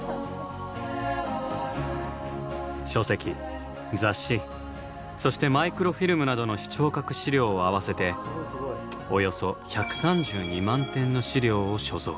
書籍・雑誌そしてマイクロフィルムなどの視聴覚資料を合わせておよそ１３２万点の資料を所蔵。